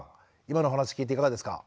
今のお話聞いていかがですか？